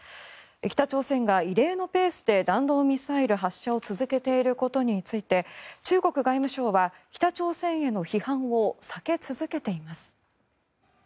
北朝鮮が異例のペースで弾道ミサイル発射を続けていることについて中国外務省は北朝鮮への批判を避け続けています。